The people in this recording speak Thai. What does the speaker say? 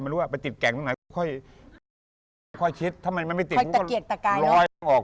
มันติดแกล่งตรงไหน